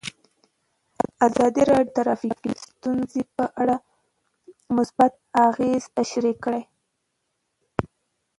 ازادي راډیو د ټرافیکي ستونزې په اړه مثبت اغېزې تشریح کړي.